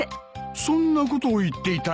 そんなことを言っていたのか。